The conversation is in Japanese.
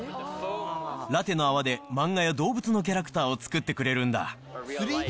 ラテの泡で漫画や動物のキャラクターを作ってくれるんだ。